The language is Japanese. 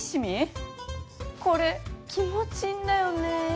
これ気持ちいいんだよね。